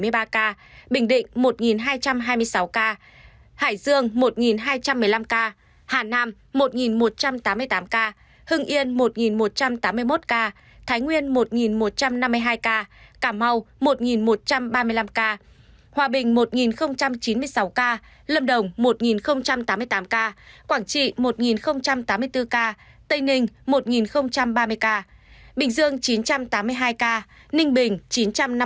bình định một hai trăm hai mươi sáu ca hải dương một hai trăm một mươi năm ca hà nam một một trăm tám mươi tám ca hưng yên một một trăm tám mươi một ca thái nguyên một một trăm năm mươi hai ca cảm mau một một trăm ba mươi năm ca hòa bình một chín mươi sáu ca lâm đồng một tám mươi tám ca quảng trị một tám mươi bốn ca tây ninh một ba mươi ca bình dương chín trăm tám mươi hai ca ninh bình chín trăm năm mươi một ca